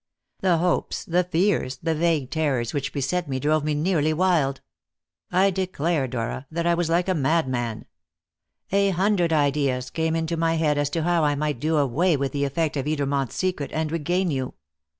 The hopes, the fears, the vague terrors which beset me drove me nearly wild. I declare, Dora, that I was like a madman. A hundred ideas came into my head as to how I might do away with the effect of Edermont's secret and regain you.